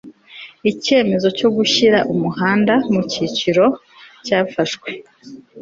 icyemezo cyo gushyira umuhanda mu cyiciro cyafashwe